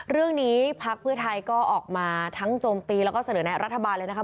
พักเพื่อไทยก็ออกมาทั้งโจมตีแล้วก็เสนอแนะรัฐบาลเลยนะคะ